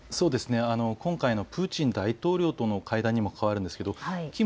今回のプーチン大統領との会談にも関わるんですけれどキム